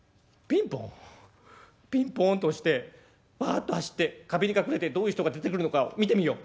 「ピンポンと押してわっと走って壁に隠れてどういう人が出てくるのかを見てみよう。